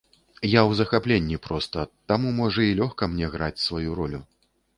Я ў захапленні проста, таму, можа, й лёгка мне граць сваю ролю.